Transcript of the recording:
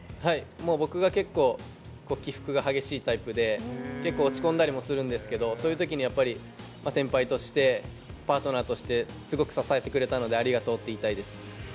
僕が結構、起伏が激しいタイプで、結構落ち込んだりもするんですけど、そういうときにやっぱり、先輩として、パートナーとしてすごく支えてくれたので、ありがとうって言いたいです。